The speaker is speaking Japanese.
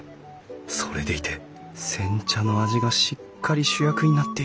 それでいて煎茶の味がしっかり主役になっている。